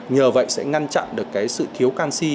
nhờ vậy sẽ ngăn chặn được cái sự thiếu canxi